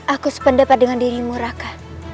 aku sependapat dengan dirimu raka